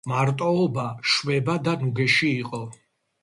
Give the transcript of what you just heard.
მარტოობა შვება და ნუგეში იყო,